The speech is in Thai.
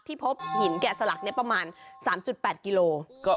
และหินแกะสลักเนี่ยประมาณ๓๘กิโลกรัม